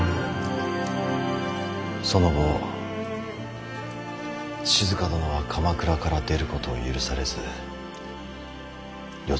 その後静殿は鎌倉から出ることを許されずよ